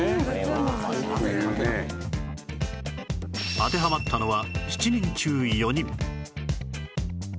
当てはまったのは７人中４人